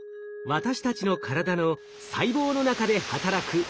私たちの体の細胞の中で働くＤＮＡ。